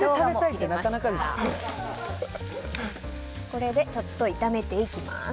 これでちょっと炒めていきます。